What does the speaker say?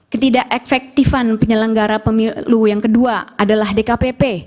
ketidak efektifan penyelenggara pemilu yang kedua adalah dkpp